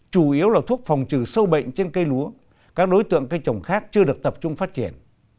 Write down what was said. chủ yếu là thuốc phòng trừ sâu bệnh trên cây lúa các đối tượng cây trồng khác chưa được tập trung phát triển